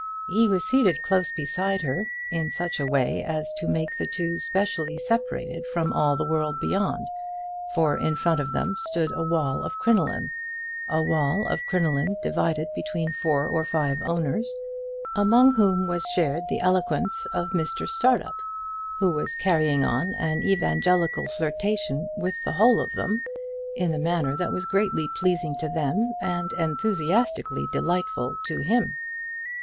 He was seated close beside her in such a way as to make the two specially separated from all the world beyond, for in front of them stood a wall of crinoline, a wall of crinoline divided between four or five owners, among whom was shared the eloquence of Mr Startup, who was carrying on an evangelical flirtation with the whole of them in a manner that was greatly pleasing to them, and enthusiastically delightful to him.